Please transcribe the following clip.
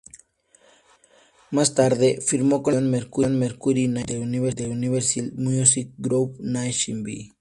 Más tarde, firmó con la división Mercury Nashville de Universal Music Group Nashville.